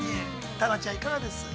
タナちゃん、いかがですか。